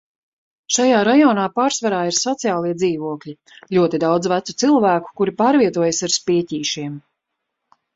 Šajā rajonā pārsvarā ir sociālie dzīvokļi. Ļoti daudz vecu cilvēku, kuri pārvietojās ar spieķīšiem.